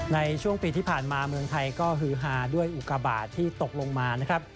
ในช่วงปีที่ผ่านมาเมืองไทยก็ฮือฮาด้วยอุกาบาทที่ตกลงมานะครับ